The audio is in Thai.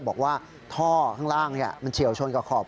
บอกว่าท่อข้างล่างมันเฉียวชนกับขอบ